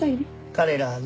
彼らはね